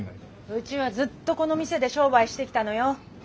うちはずっとこの店で商売してきたのよ。